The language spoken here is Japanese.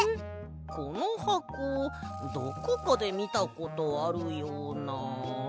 このはこどこかでみたことあるような。